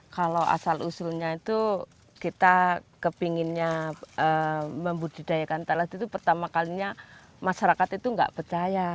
kalau asal usulnya itu kita kepinginnya membudidayakan talas itu pertama kalinya masyarakat itu nggak percaya